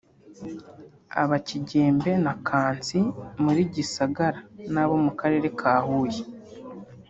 aba Kigembe na Kansi muri Gisagara n’abo mu Karere ka Huye